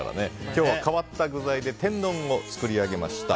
今日は変わった具材で天丼を作り上げました。